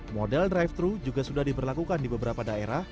model drive thru juga sudah diberlakukan di beberapa daerah